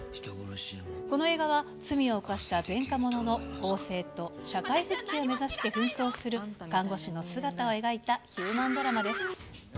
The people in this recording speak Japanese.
この映画は、罪を犯した前科者の更生と社会復帰を目指して奮闘する看護師の姿を描いたヒューマンドラマです。